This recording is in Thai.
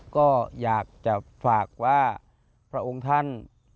ก็อยากจะฝากว่าพระองค์ท่าน